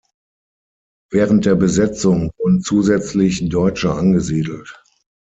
Während der Besetzung wurden zusätzlich Deutsche angesiedelt.